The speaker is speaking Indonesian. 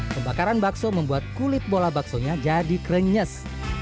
pembakaran bakso membuat kulit bola baksonya jadi krenyes